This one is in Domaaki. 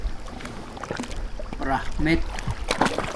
رحمت